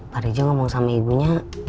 pak rejo ngomong sama ibunya